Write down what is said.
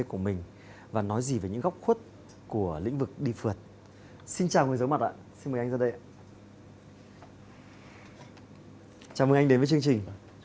chào mừng anh đến với chương trình